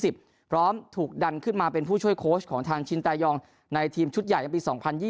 ถูกดันขึ้นมาเป็นผู้ช่วยโค้ชของทางชินตายองในทีมชุดใหญ่ในปี๒๐๒๐